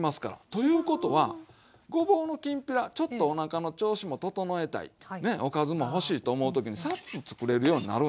ということはごぼうのきんぴらちょっとおなかの調子も整えたいねおかずも欲しいと思う時にさっとつくれるようになるんですわ。